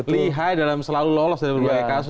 lihai dalam selalu lolos dari berbagai kasus